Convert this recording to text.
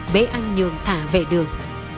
bế anh nhường thả về đường